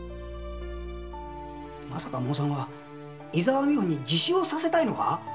まさかモーさんは伊沢美穂に自首をさせたいのか！？